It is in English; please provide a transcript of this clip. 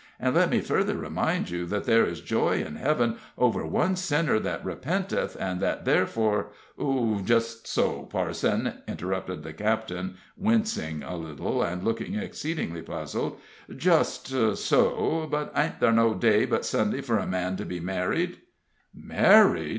And let me further remind you that there is joy in heaven over one sinner that repenteth, and that therefore " "Just so, parson," interrupted the captain, wincing a little, and looking exceedingly puzzled "just so; but ain't thar no day but Sunday for a man to be married " "Married!"